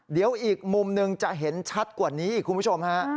เดี๋ยวอีกมุมหนึ่งจะเห็นชัดกว่านี้อีกคุณผู้ชมฮะ